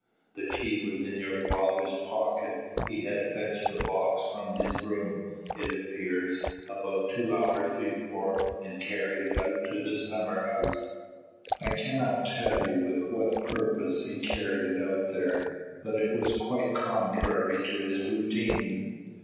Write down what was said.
"The key was in your father's pocket. He had fetched the box from his room, it appears, about two hours before, and carried it out to the summer house. I cannot tell you with what purpose he carried it out there, but it was quite contrary to his routine."